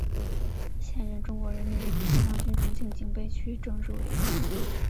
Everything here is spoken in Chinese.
现任中国人民解放军重庆警备区政治委员。